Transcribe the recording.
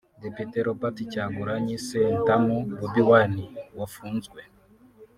Depite Robert Kyagulanyi Ssentamu [Bobi Wine] wafunzwe